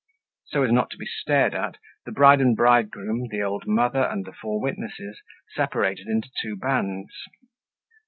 So as not to be stared at the bride and bridegroom, the old mother, and the four witnesses separated into two bands.